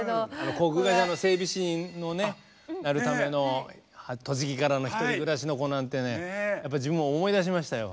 航空会社の整備士のねなるための栃木からの１人暮らしの子なんてね自分も思い出しましたよ。